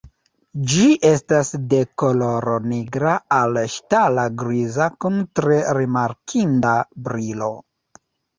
Ĝi estas de koloro nigra al ŝtala griza kun tre rimarkinda brilo.